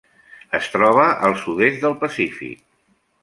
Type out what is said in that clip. Es troba al sud-est del Pacífic: